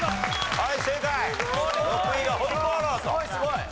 はい。